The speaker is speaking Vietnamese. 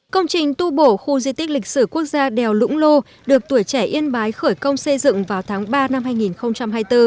công trình tu bổ khu di tích lịch sử quốc gia đèo lũng lô được tuổi trẻ yên bái khởi công xây dựng vào tháng ba năm hai nghìn hai mươi bốn